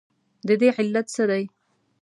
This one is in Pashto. ددې علت څه دی؟